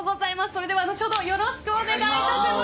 それでは後ほどよろしくお願いいたします。